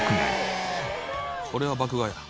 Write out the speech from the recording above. これは爆買いやな。